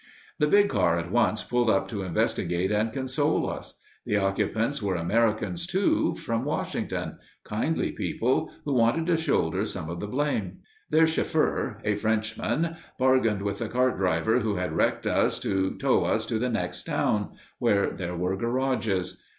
The big car at once pulled up to investigate and console us. The occupants were Americans, too, from Washington kindly people who wanted to shoulder some of the blame. Their chauffeur, a Frenchman, bargained with the cart driver who had wrecked us to tow us to the next town, where there were garages.